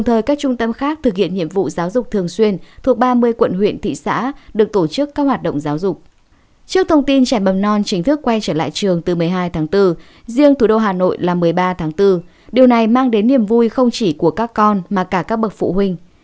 trước thông tin trẻ mầm non chính thức quay trở lại trường từ một mươi hai tháng bốn riêng thủ đô hà nội là một mươi ba tháng bốn điều này mang đến niềm vui không chỉ của các con mà cả các bậc phụ huynh